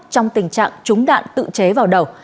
trong tình trạng trúng đạn tự chế vào đầu